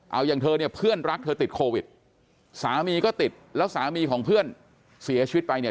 เอาอย่างเธอเนี่ยเพื่อนรักเธอติดโควิดสามีก็ติดแล้วสามีของเพื่อนเสียชีวิตไปเนี่ย